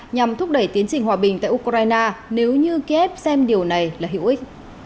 nhằm thúc đẩy tiến trình hòa bình tại ukraine nếu như kế ép xem điều này là hữu ích